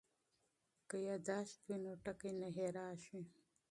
که یادښت وي نو ټکی نه هېریږي.